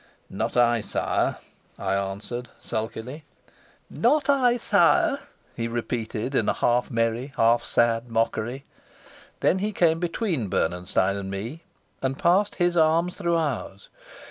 "Not I, sire," I answered, sulkily. "Not I, sire!" he repeated, in a half merry, half sad mockery. Then he came between Bernenstein and me and passed his arms through ours.